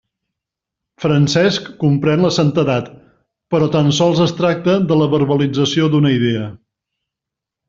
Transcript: Francesc comprèn la santedat, però tan sols es tracta de la verbalització d'una idea.